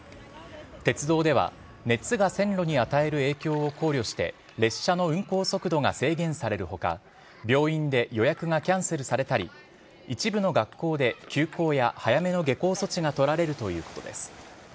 鉄道では、熱が線路に与える影響を考慮して、列車の運行速度が制限されるほか、病院で予約がキャンセルされたり、一部の学校で休校や早めの下校措置が取られるということです。